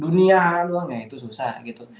dunia doang ya itu susah gitu